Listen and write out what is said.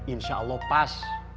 insya allah pas